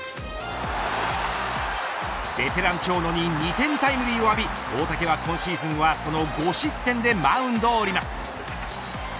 ベテラン長野に２点タイムリーを浴び大竹は今シーズンワーストの５失点でマウンドを降ります。